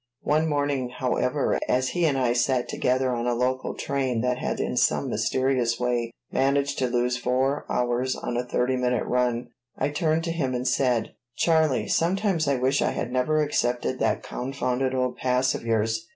One morning, however, as he and I sat together on a local train that had in some mysterious way managed to lose four hours on a thirty minute run, I turned to him and said: "Charlie, sometimes I wish I had never accepted that confounded old pass of yours.